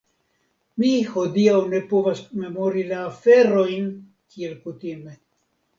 Mi hodiaŭ ne povas memori la aferojn kiel kutime.